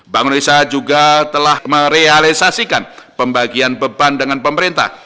bank indonesia juga telah merealisasikan pembagian beban dengan pemerintah